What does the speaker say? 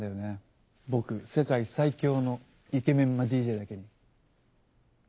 僕世界最強のイケメンマＤＪだけに。